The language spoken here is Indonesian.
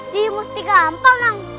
di mustika ampal